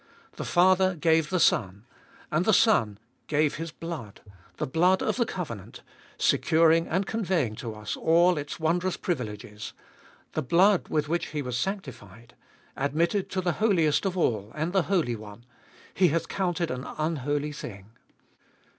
The Father gave the Son. tlbe holiest of Ell 407 And the Son gave His blood — the blood of the covenant, securing and conveying to us all its wondrous privileges — the blood with which he was sanctified, admitted to the Holiest of All and the Holy One, he hath counted an unholy thing.